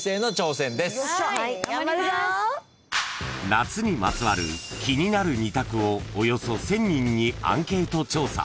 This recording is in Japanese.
［夏にまつわる気になる２択をおよそ１，０００人にアンケート調査］